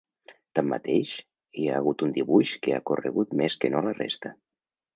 Tanmateix, hi ha hagut un dibuix que ha corregut més que no la resta.